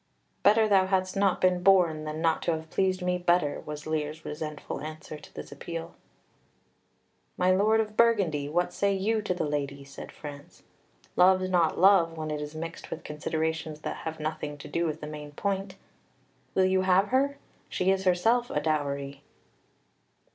"Better thou hadst not been born than not to have pleased me better," was Lear's resentful answer to this appeal. "My lord of Burgundy, what say you to the lady?" said France. "Love's not love when it is mixed with considerations that have nothing to do with the main point. Will you have her? She is herself a dowry."